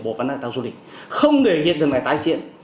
bộ văn hóa thể tạo du lịch không để hiện tượng này tái triển